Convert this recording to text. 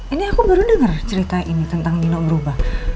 ini aku baru dengar cerita ini tentang mino berubah